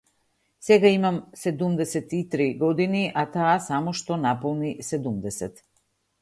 Сега имам седумдесет и три години, а таа само што наполни седумдесет.